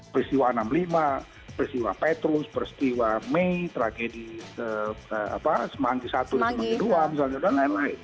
peristiwa enam puluh lima peristiwa petrus peristiwa mei tragedi semanggi satu dan semanggi ii misalnya dan lain lain